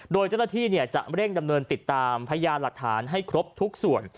โดยเจ้าหน้าที่จะเร่งดำเนินติดตามพยานหลักฐานให้ครบทุกส่วน